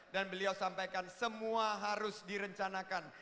dan beliau sampaikan semua harus direncanakan